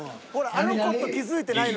［あの子と気付いてないのよ］